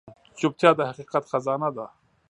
چوپتیا، د حقیقت خزانه ده.